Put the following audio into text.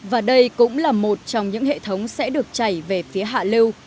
và đây cũng là một trong những hệ thống sẽ được chảy về phía hạ lưu